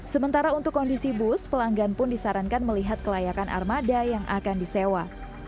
sementara untuk kondisi bus pelanggan pun disarankan melihat kelayakan armada yang akan disewa